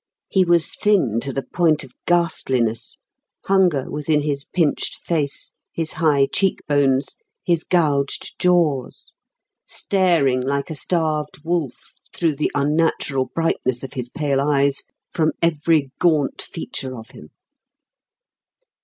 He was thin to the point of ghastliness. Hunger was in his pinched face, his high cheekbones, his gouged jaws; staring like a starved wolf, through the unnatural brightness of his pale eyes, from every gaunt feature of him.